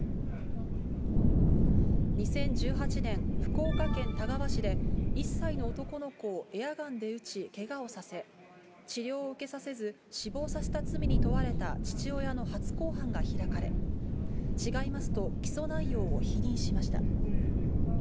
２０１８年、福岡県田川市で、１歳の男の子をエアガンで撃ち、けがをさせ、治療を受けさせず死亡させた罪に問われた父親の初公判が開かれ、違いますと起訴内容を否認しました。